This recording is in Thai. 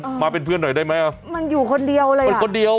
มาเป็นเพื่อนหน่อยได้ไหมมันอยู่คนเดียวเลยมันคนเดียว